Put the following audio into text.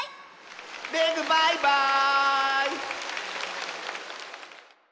レグバイバーイ！